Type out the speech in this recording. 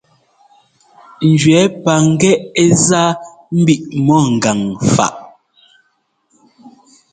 Njʉɛ́ paŋgɛ́ ɛ́ zá mbiʼ mɔ ŋgan faʼ.